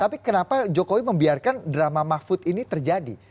tapi kenapa jokowi membiarkan drama mahfud ini terjadi